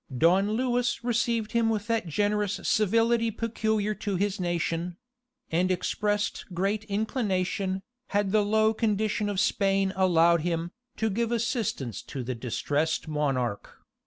Don Louis received him with that generous civility peculiar to his nation; and expressed great inclination, had the low condition of Spain allowed him, to give assistance to the distressed monarch.